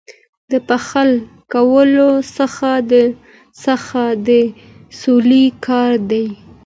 د پخلا کولو هڅه د سولې کار دی.